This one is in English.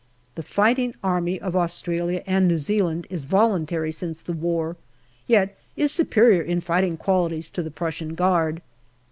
The fighting army of Australia and New Zealand is voluntary since the war, yet is superior in fighting qualities to the Prussian Guard.